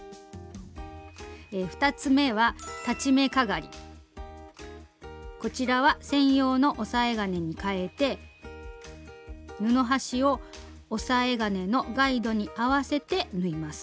２つ目はこちらは専用の押さえ金にかえて布端を押さえ金のガイドに合わせて縫います。